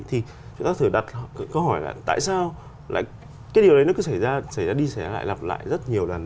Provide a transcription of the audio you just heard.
thì chúng ta thử đặt câu hỏi là tại sao lại cái điều đấy nó cứ xảy ra xảy ra đi xảy ra lại lặp lại rất nhiều lần